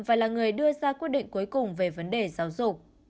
và là người đưa ra quyết định cuối cùng về vấn đề giáo dục